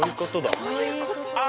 そういうことね。